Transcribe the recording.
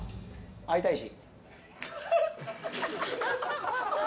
会いたいし。